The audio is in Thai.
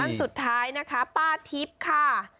ท่านสุดท้ายนะคะป้าทิพย์ค่ะ